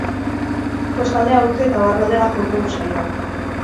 Kostaldea utzi eta barrualdera joko du saioak.